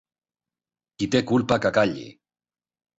Qui té culpa que calli.